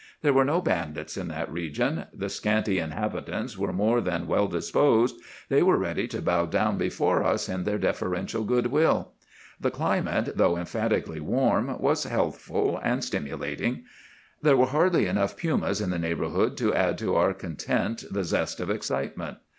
There were no bandits in that region. The scanty inhabitants were more than well disposed; they were ready to bow down before us in their deferential good will. The climate, though emphatically warm, was healthful and stimulating. There were hardly enough pumas in the neighborhood to add to our content the zest of excitement.